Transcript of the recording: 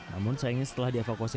namun sayangnya setelah dievokasi